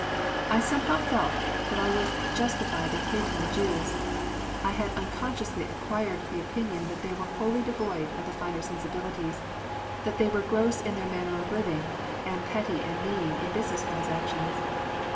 I somehow felt that I was justified in hating the Jews. I had unconsciously acquired the opinion that they were wholly devoid of the finer sensibilities, that they were gross in their manner of living, and petty and mean in business transactions.